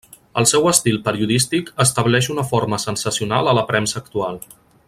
El seu estil periodístic estableix una forma sensacional a la premsa actual.